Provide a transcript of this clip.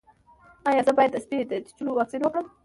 ایا زه باید د سپي د چیچلو واکسین وکړم؟